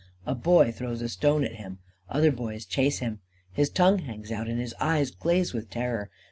A boy throws a stone at him. Other boys chase him. His tongue hangs out, and his eyes glaze with terror.